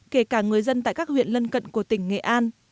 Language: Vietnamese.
kể cả người dân tại các huyện lân cận của tỉnh nghệ an